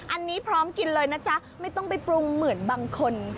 อันนี้พร้อมกินเลยนะจ๊ะไม่ต้องไปปรุงเหมือนบางคน